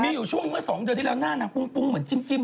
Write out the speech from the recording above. มีอยู่ช่วงเมื่อ๒เดือนที่แล้วหน้านางปุ้งเหมือนจิ้ม